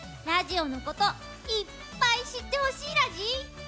ラジオのこといっぱい知ってほしいラジ。